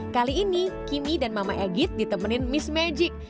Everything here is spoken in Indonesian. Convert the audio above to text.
kali ini kimmy dan mama egit ditemenin miss magic